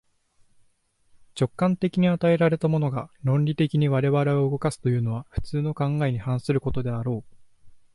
直観的に与えられたものが、論理的に我々を動かすというのは、普通の考えに反することであろう。